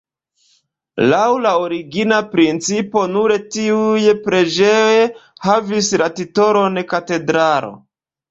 Laŭ la origina principo, nur tiuj preĝejoj havis la titolon katedralo.